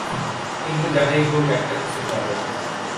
কিন্তু যাহাই হউক একটা কিছু কর।